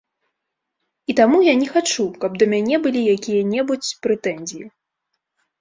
І таму я не хачу, каб да мяне былі якія-небудзь прэтэнзіі.